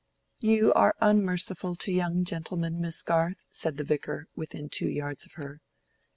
"You are unmerciful to young gentlemen, Miss Garth," said the Vicar, within two yards of her.